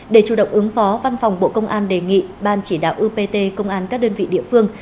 để chủ động ứng phó văn phòng bộ công an đề nghị ban chỉ đạo upt công an các đơn vị địa phương